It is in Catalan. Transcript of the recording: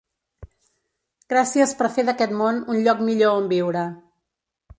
Gràcies per fer d’aquest món un lloc millor on viure.